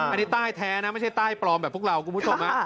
อันนี้ใต้แท้นะไม่ใช่ใต้ปลอมแบบพวกเราคุณผู้ชม